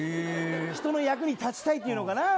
人の役に立ちたいっていうのかな。